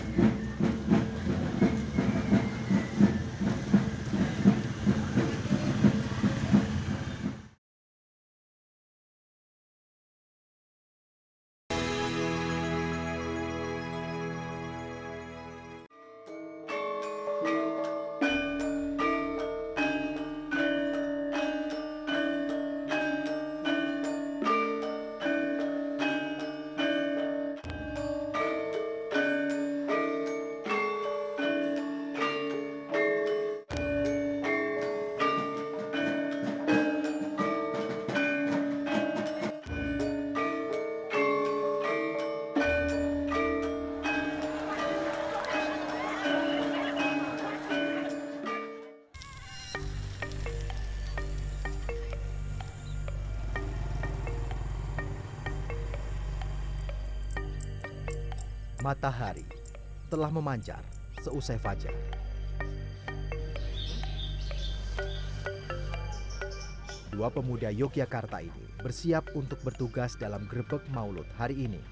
sejak kemas kota